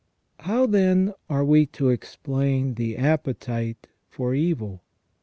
How, then, are we to explain the appetite for evil ?